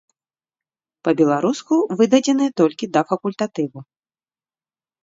Па-беларуску выдадзеныя толькі да факультатыву.